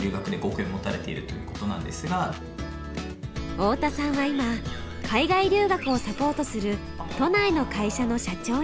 太田さんは今海外留学をサポートする都内の会社の社長に。